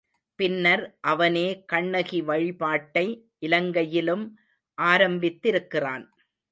பின்னர் அவனே கண்ணகி வழிபாட்டை இலங்கையிலும் ஆரம்பித்திருக்கிறான்.